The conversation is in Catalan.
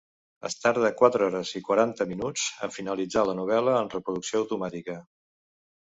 Es tarda quatre hores i quaranta minuts en finalitzar la novel·la en reproducció automàtica.